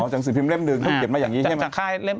หนังสือพิมพ์เล่มหนึ่งเขาเก็บมาอย่างนี้ใช่ไหม